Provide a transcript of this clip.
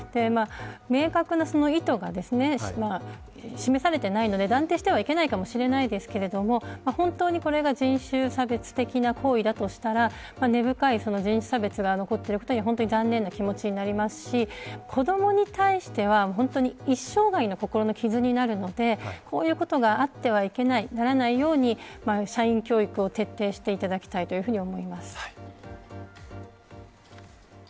明確な意図が示されていないので断定してはいけないかもしれないですが本当に、これが人種差別的な行為だとしたら根深い人種差別が残っていることに本当に残念な気持ちになりますし子どもに対しては一生涯の心の傷になるのでこういうことがあってはならないように社員教育を徹底していただきたいと思います。